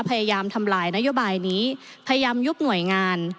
พยายามทำลายนโยบายนี้พยายามยุบหน่วยงาน